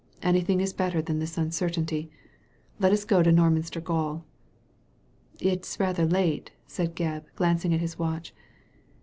''Anjrthing is better than this uncertainty. Let us go to Norminster gaoL" " It's rather late," said Gebb, glancing at his watch.